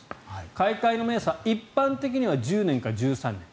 買い替えの目安は一般的に１０年から１３年。